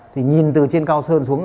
thì nhìn từ trên cao sơn xuống